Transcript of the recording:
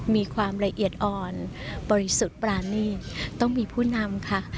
มีความละเอียดอ่อนบริสุทธิ์ปรานีตต้องมีผู้นำค่ะ